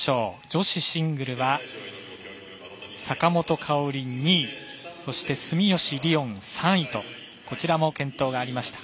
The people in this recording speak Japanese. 女子シングルは坂本花織が２位そして、住吉りをんが３位とこちらも健闘がありました。